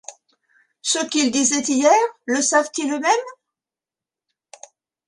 Ce qu’ils disaient hier, le savent-ils eux-mêmes?